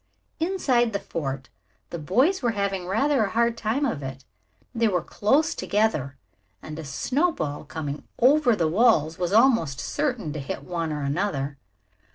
Inside the fort the boys were having rather a hard time of it. They were close together, and a snowball coming over the walls was almost certain to hit one or another.